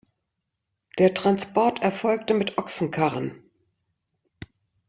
Der Transport erfolgte mit Ochsenkarren.